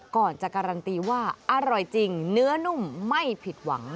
ก่อนจะการันตีว่าอร่อยจริงเนื้อนุ่มไม่ผิดหวัง